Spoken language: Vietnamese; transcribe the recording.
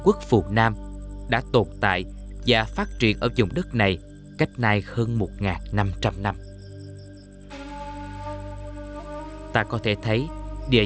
quốc phù nam đã tồn tại và phát triển ở dùng đất này cách nay hơn một năm trăm linh năm ta có thể thấy địa